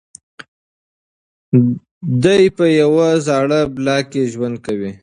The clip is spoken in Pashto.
دی په یوه زاړه بلاک کې ژوند کوي.